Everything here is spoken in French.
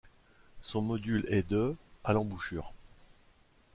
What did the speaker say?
Son module est de à l'embouchure.